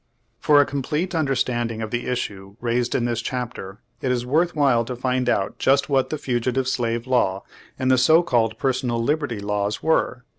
For a complete understanding of the issue raised in this chapter, it is worth while to find out just what the Fugitive Slave Law, and the so called Personal Liberty Laws were.